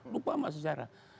lupa sama sejarah